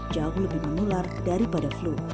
jauh lebih menular daripada flu